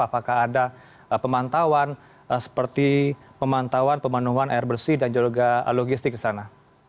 apakah ada pemantauan seperti pemantauan pemenuhan air bersih dan juga logistik di sana